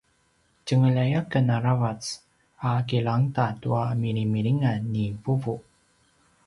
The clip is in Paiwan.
tjengelay aken aravac a kilangeda tua milimilingan ni vuvu